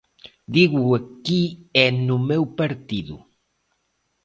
Dígoo aquí e no meu partido.